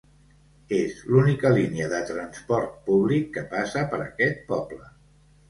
És l'única línia de transport públic que passa per aquest poble.